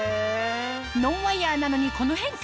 ノンワイヤーなのにこの変化